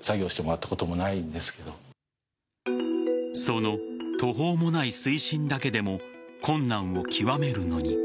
その途方もない水深だけでも困難を極めるのに。